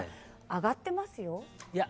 上がってますよ。